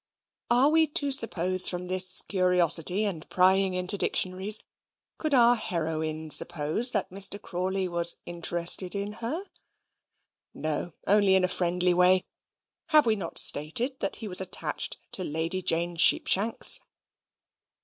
Are we to suppose from this curiosity and prying into dictionaries, could our heroine suppose that Mr. Crawley was interested in her? no, only in a friendly way. Have we not stated that he was attached to Lady Jane Sheepshanks?